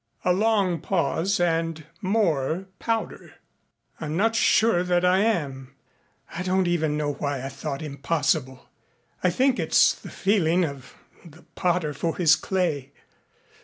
A long pause and more powder. "I'm not sure that I am. I don't even know why I thought him possible. I think it's the feeling of the potter for his clay.